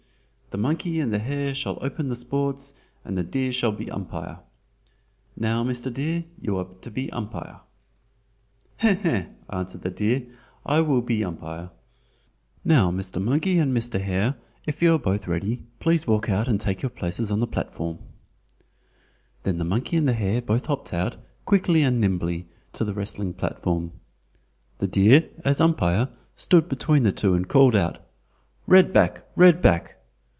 the monkey and the hare shall open the sports and the deer shall be umpire. Now, Mr. Deer, you are to be umpire!" "He, he!" answered the deer. "I will be umpire. Now, Mr. Monkey and Mr. Hare, if you are both ready, please walk out and take your places on the platform." Then the monkey and the hare both hopped out, quickly and nimbly, to the wrestling platform. The deer, as umpire, stood between the two and called out: "Red back! Red back!"